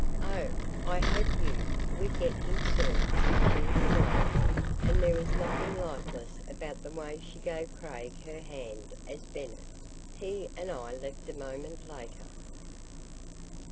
"Oh, I hope you we get him soon!" she exclaimed, and there was nothing lifeless about the way she gave Craig her hand, as Bennett, he and I left a moment later.